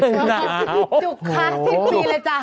จุกครักที่ปีเลยจ้ะ